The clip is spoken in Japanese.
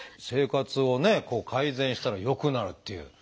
生活をね改善したら良くなるっていう。